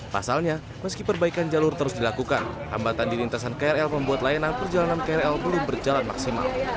pasalnya meski perbaikan jalur terus dilakukan hambatan di lintasan krl membuat layanan perjalanan krl belum berjalan maksimal